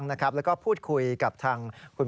มีโดยมี